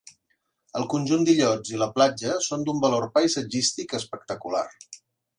El conjunt d'illots i la platja són d'un valor paisatgístic espectacular.